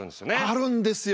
あるんですよ。